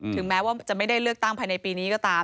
ถึงแม้ว่าจะไม่ได้เลือกตั้งภายในปีนี้ก็ตาม